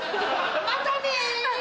またね！